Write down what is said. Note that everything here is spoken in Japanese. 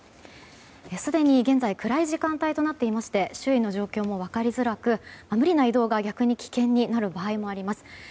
すでに現在暗い時間帯となっていまして周囲の状況も分かりづらく無理な移動が逆に危険になる場合もあります。